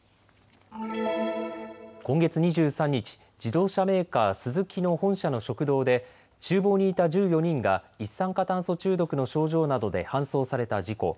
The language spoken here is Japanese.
今月２３日、自動車メーカー、スズキの本社の食堂でちゅう房にいた１４人が一酸化炭素中毒の症状などで搬送された事故。